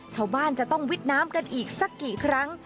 ชาวบ้านจะต้องวิดน้ำกันอีกสักกี่ครั้ง